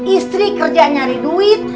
istri kerja nyari duit